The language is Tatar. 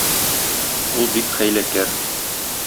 Ул бик хәйләкәр.